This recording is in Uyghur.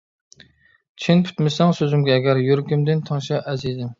چىن پۈتمىسەڭ سۆزۈمگە ئەگەر، يۈرىكىمدىن تىڭشا ئەزىزىم.